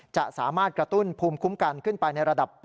จะสามารถกระตุ้นภูมิคุ้มกันขึ้นไปในระดับ๘